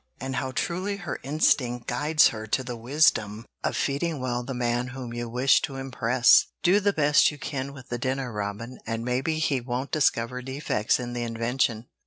And how truly her instinct guides her to the wisdom of feeding well the man whom you wish to impress! Do the best you can with the dinner, Robin, and maybe he won't discover defects in the invention."